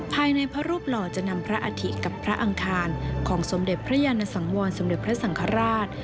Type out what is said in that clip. ภายในพระรูปหล่อจะนำพระอาทิตกับพระอังคารของสมเด็จพระยานสังวรสมเด็จพระสังฆราช